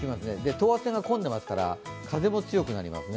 等圧線がこんでいますから、風も強くなりますね。